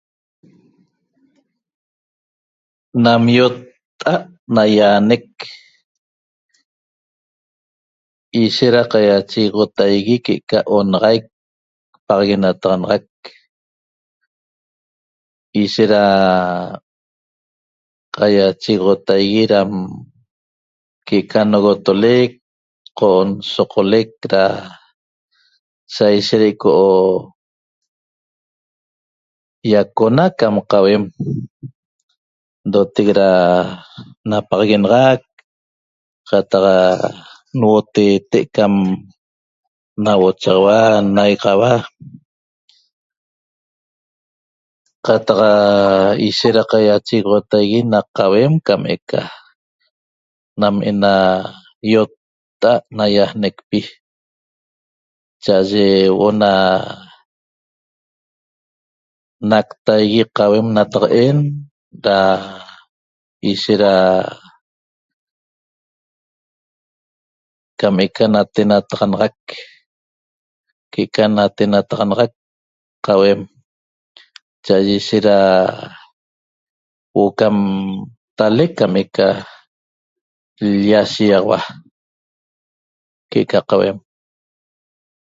Nam iota'at naiaanec ishet ra qaiachegoxotaigui que'eca onaxaic paxaguenataxanaxac ishet ra qaiachegoxotaigui ram que'eca nogotolec qo nsoqolec ra saishet ico iacona cam qauem ndotec ra napaxaguenaxac qataq nhuoteete' cam nahuochaxaua nnaigaxaua qataq ishet ra qaiachegoxotaigui na qauem que'eca nam ena iota'at naiaanecpi cha'aye huo'o na naqtaigui qauem nataqa'en ra ishet ra cam eca natenataxanaxac que'eca natennataxanaxac qauem cha'aye ishet ra huo'o cam talec cam eca l-lla shigaxaua que'eca qauem